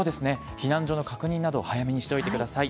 避難所の確認など、早めにしておいてください。